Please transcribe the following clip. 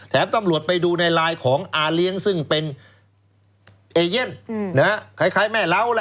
ตำรวจไปดูในไลน์ของอาเลี้ยงซึ่งเป็นเอเย่นคล้ายแม่เหล้าล่ะ